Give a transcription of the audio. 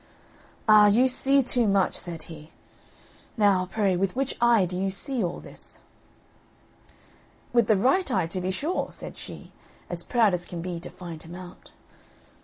"Ah, you see too much," said he; "now, pray, with which eye do you see all this?" "With the right eye to be sure," said she, as proud as can be to find him out.